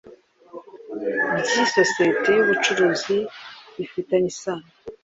By Isosiyete Y Ubucuruzi Bifitanye Isano